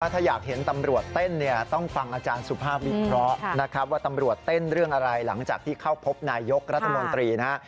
ถ้าอยากเห็นตำรวจเต้นเนี่ยต้องฟังอาจารย์สุภาพวิเคราะห์นะครับว่าตำรวจเต้นเรื่องอะไรหลังจากที่เข้าพบนายยกรัฐมนตรีนะฮะ